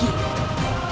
baiklah kalau begitu